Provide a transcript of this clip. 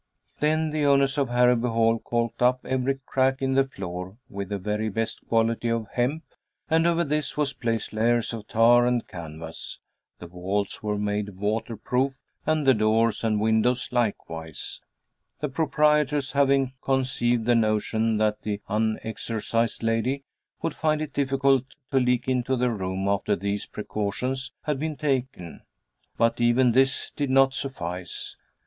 Then the owners of Harrowby Hall calked up every crack in the floor with the very best quality of hemp, and over this was placed layers of tar and canvas; the walls were made water proof, and the doors and windows likewise, the proprietors having conceived the notion that the unexorcised lady would find it difficult to leak into the room after these precautions had been taken; but even this did not suffice.